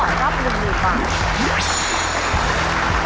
ตอบถูก๑ข้อรับ๑๐๐๐บาท